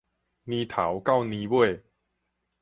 年頭到年尾